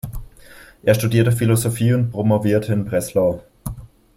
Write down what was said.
Er studierte Philosophie und promovierte in Breslau.